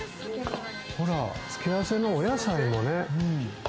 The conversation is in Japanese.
付け合わせのお野菜もね。